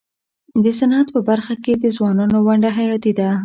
د صنعت په برخه کي د ځوانانو ونډه حیاتي ده.